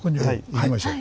行きましょう。